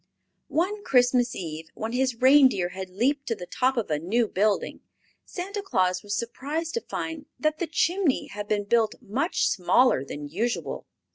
One Christmas Eve, when his reindeer had leaped to the top of a new building, Santa Claus was surprised to find that the chimney had been built much smaller than usual.